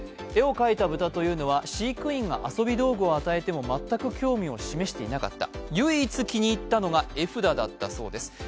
絵を描いた豚というのは飼育員が遊び道具を与えても全く興味を示していなかった、唯一気に入ったのが絵筆だったそうです。